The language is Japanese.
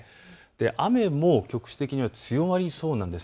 雨も局地的には強まりそうです。